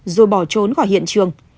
rồi bỏ trốn khỏi hiện trường